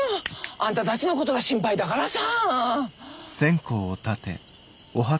あんたたちのことが心配だからさ。